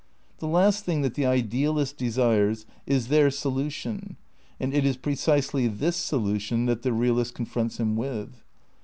^ The last thing that the idealist desires is their solution, and it is precisely this solution that the realist confronts him with.